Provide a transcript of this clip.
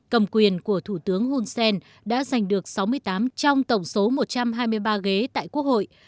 cầm quyền của thủ tướng hun sen đã giành được sáu mươi tám trong tổng số một trăm hai mươi ba ghế tại quốc hội